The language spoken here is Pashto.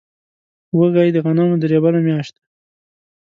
وږی د غنمو د رېبلو میاشت ده.